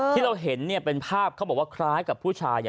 ที่เราเห็นเป็นภาพเขาบอกว่าคล้ายกับผู้ชาย